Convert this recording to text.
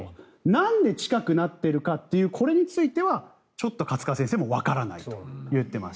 なんで近くなっているんだというこれについては勝川先生もわからないと言ってました。